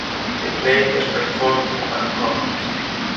The play was performed in Bangkok.